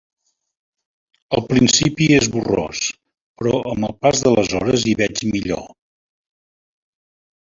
Al principi és borrós, però amb el pas de les hores hi veig millor.